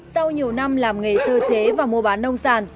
sau nhiều năm làm nghề sơ chế và mua bán nông sản